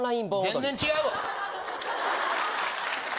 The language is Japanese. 全然違うわ！